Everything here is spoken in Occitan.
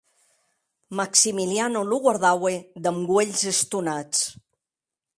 Maximiliano lo guardaue damb uelhs estonats.